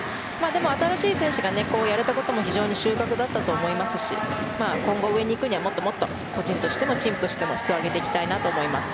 でも、新しい選手がやれたことも非常に収穫だったと思いますし今後、上に行くにはもっともっと個人としてもチームとしても質を上げていきたいなと思います。